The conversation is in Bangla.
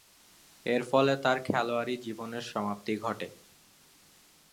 এরফলে তার খেলোয়াড়ী জীবনের সমাপ্তি ঘটে।